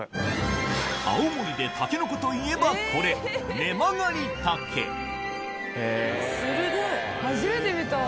青森でタケノコといえばこれ初めて見た。